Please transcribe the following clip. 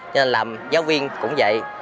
cho nên làm giáo viên cũng vậy